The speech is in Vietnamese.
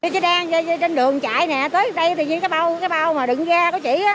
chị đang trên đường chạy nè tới đây tự nhiên cái bao mà đựng ga của chị